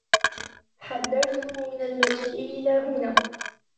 حذّرته من المجيء إلى هنا.